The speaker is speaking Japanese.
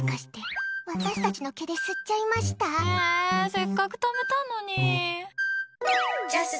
せっかくためたのに。